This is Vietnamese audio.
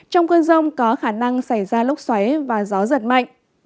trong cơn rông có khả năng xảy ra lốc xoáy và gió giật mạnh